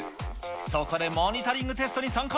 そこでモニタリングテストに参加。